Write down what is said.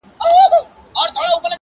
مګر زما د ملګرو شاعرانو شعر